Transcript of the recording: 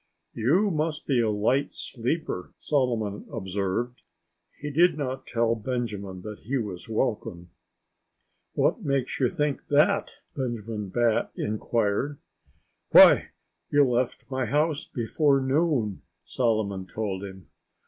"You must be a light sleeper," Solomon observed. (He did not tell Benjamin that he was welcome!) "What makes you think that?" Benjamin Bat inquired. "Why—you left my house before noon," Solomon told him.